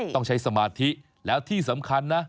ต้องใช้สมาธิแล้วที่สำคัญนะ